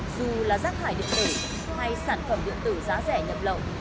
dù là rác thải điện tử hay sản phẩm điện tử giá rẻ nhập lậu